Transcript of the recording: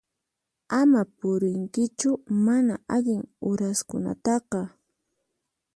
Ama purinkichu mana allin uraskunataqa.